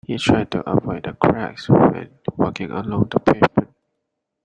He tried to avoid the cracks when walking along the pavement